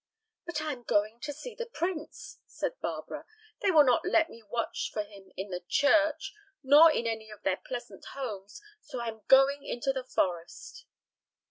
"But I am going to see the prince," said Barbara. "They will not let me watch for him in the church, nor in any of their pleasant homes, so I am going into the forest."